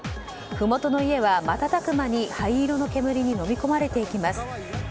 ふもとの家は瞬く間に灰色の煙にのみ込まれていきます。